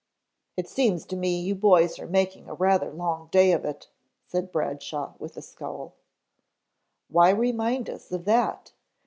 "It seems to me you boys are making a rather long day of it," said Bradshaw with a scowl. "Why remind us of that?